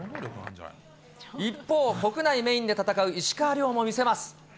一方、国内メインで戦う石川遼も見せます。